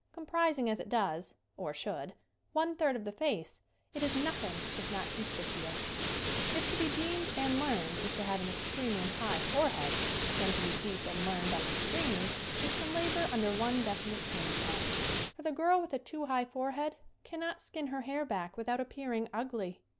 Comprising as it does or should one third of the face it is noth ing if not conspicuous. If to be deep and learned is to have an ex tremely high forehead then to be deep and learned on the screen is to labor under one defi nite handicap. For the girl with a too high forehead cannot skin her hair back without ap pearing ugly.